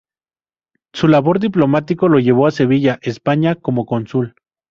Su labor diplomático lo llevó a Sevilla, España como Cónsul.